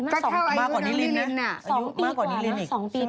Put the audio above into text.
ก็เท่าอายุน้องนิรินนะมากกว่านิรินอีกใช่ไหม